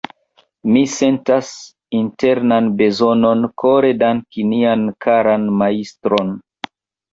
Mi sentas internan bezonon kore danki nian karan Majstron.